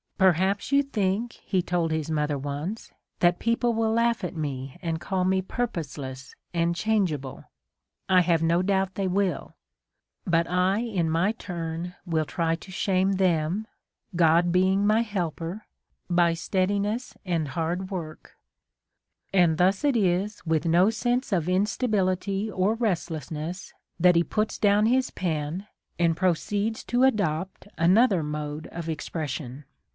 "Perhaps you think," he told his mother once, "that people will laugh at me and call me purposeless and changeable : I have no doubt they will, but I in my turn will try to shame them, God being my helper, by steadiness and A DAY WITH WILLIAM MORRIS. hard work." And thus it is with no sense of instability or restlessness that he puts down his pen, and proceeds to adopt another mode of expression.